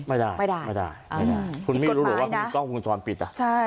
ไม่ได้ไม่ได้คุณมีรู้หรอว่ากล้องคุณสวนปิด